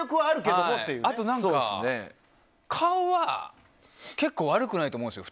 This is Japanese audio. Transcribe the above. あと、顔は結構悪くないと思うんですよ